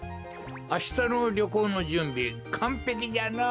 あしたのりょこうのじゅんびかんぺきじゃのう。